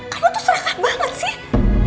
kamu tuh serakat banget sih